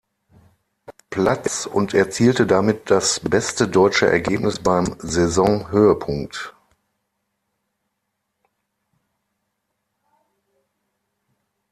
Platz und erzielte damit das beste Deutsche Ergebnis beim Saisonhöhepunkt.